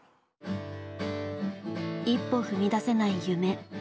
一歩踏み出せない夢。